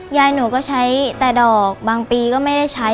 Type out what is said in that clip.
ยายหนูก็ใช้แต่ดอกบางปีก็ไม่ได้ใช้